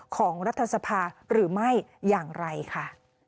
ของรัฐธรรมนูลหรือไม่อย่างไรค่ะ